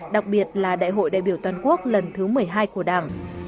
đặc biệt là đại hội đại biểu toàn quốc lần thứ một mươi hai của đảng